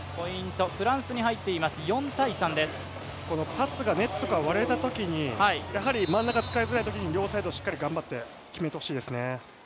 パスがネットから割れたときにやはり真ん中使いづらいときに両サイドしっかり頑張って決めてほしいですね。